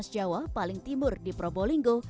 jawa paling timur di probolinggo